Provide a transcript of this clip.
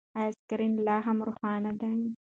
ایا سکرین لا هم روښانه دی؟